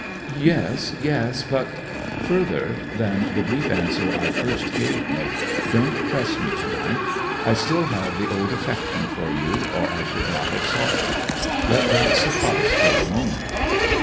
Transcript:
'Yes, yes; but ' 'Further than the brief answer I first gave, Nic, don't press me to night. I still have the old affection for you, or I should not have sought you. Let that suffice for the moment.'